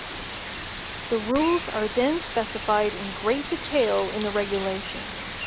The rules are then specified in great detail in the regulations.